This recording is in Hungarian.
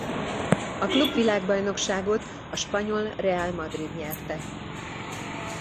A klubvilágbajnokságot a spanyol Real Madrid nyerte.